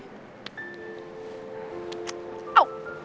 terus gini ya